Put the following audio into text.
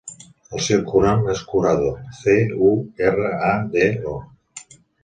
El seu cognom és Curado: ce, u, erra, a, de, o.